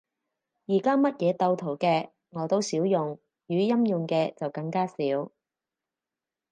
而家乜嘢鬥圖嘅，我都少用，語音用嘅就更加少